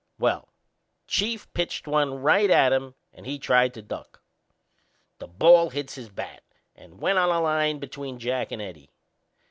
Well, the Chief pitched one right at him and he tried to duck. The ball hit his bat and went on a line between Jack and Eddie.